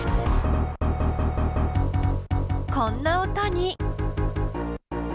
こんな音に。